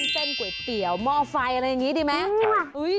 เส้นก๋วยเตี๋ยวหม้อไฟอะไรแบบนี้ดีมั้ย